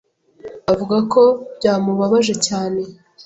Avuga ko byamubabaje cyane